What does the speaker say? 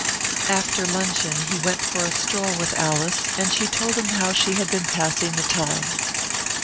After luncheon, he went for a stroll with Alice, and she told him how she had been passing the time.